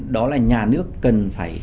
đó là nhà nước cần phải